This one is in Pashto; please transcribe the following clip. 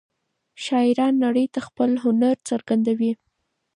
شاعران نړۍ ته خپل هنر څرګندوي.